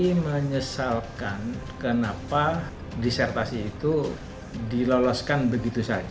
ya pada malam hari ini kita akan belajar bahwa pembelajar bersama dan di rumah b compassion says to be dissolve your child